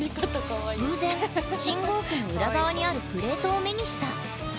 偶然信号機の裏側にあるプレートを目にした。